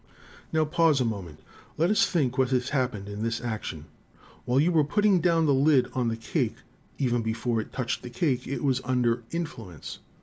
"Now pause a moment : let us think what has happened in this action. While you were putting down the lid on the cake, even before it touched the cake, it was under, influence.